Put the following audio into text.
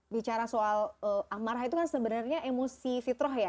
bicara soal amarah itu kan sebenarnya emosi fitroh ya